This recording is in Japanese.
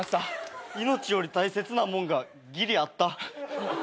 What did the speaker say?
命より大切なもんがギリあった。